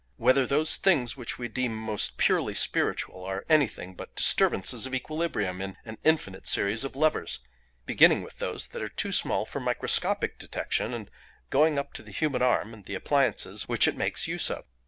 whether those things which we deem most purely spiritual are anything but disturbances of equilibrium in an infinite series of levers, beginning with those that are too small for microscopic detection, and going up to the human arm and the appliances which it makes use of?